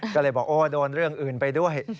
ก็เลยบอกโอ้โดนเรื่องอื่นไปด้วย